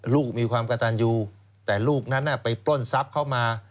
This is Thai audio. ลูกมีความกระทำอยู่แต่ลูกมันน่ะไปปล้นทรัพย์มา